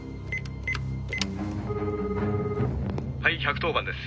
「はい１１０番です。